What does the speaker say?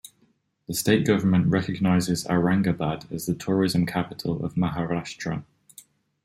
The state government recognises Aurangabad as the "Tourism Capital of Maharashtra".